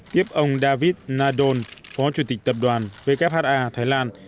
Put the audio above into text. tiếp ông david nadol phó chủ tịch tập đoàn vkha thái lan